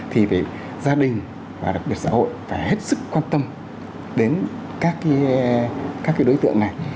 thì gia đình và đặc biệt xã hội phải hết sức quan tâm đến các đối tượng này